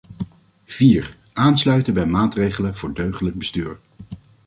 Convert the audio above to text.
Vier, aansluiten bij maatregelen voor deugdelijk bestuur.